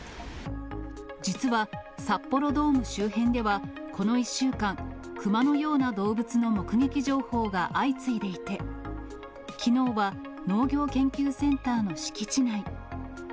実は、札幌ドーム周辺ではこの１週間、クマのような動物の目撃情報が相次いでいて、きのうは農業研究センターの敷地内。